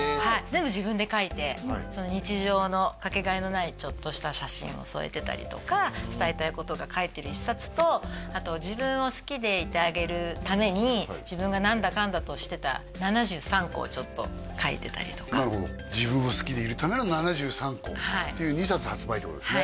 全部自分で書いて日常のかけがえのないちょっとした写真を添えてたりとか伝えたいことが書いてる１冊とあと自分を好きでいてあげるために自分が何だかんだとしてた７３個をちょっと書いてたりとかなるほど自分を好きでいるための７３こという２冊発売ってことですね